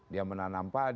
dia menanam padang